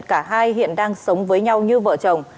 cả hai hiện đang sống với nhau như vợ chồng